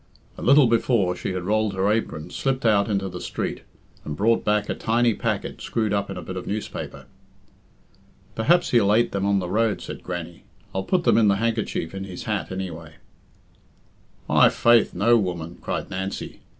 A little before she had rolled her apron, slipped out into the street, and brought back a tiny packet screwed up in a bit of newspaper. "Perhaps he'll ate them on the road," said Grannie. "I'll put them in the hankerchief in his hat anyway." "My faith, no, woman!" cried Nancy.